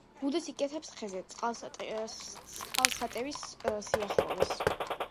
ბუდეს იკეთებს ხეზე, წყალსატევის სიახლოვეს.